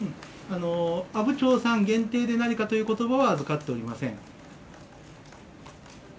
阿武町さん限定で何かということばは預かっておりません。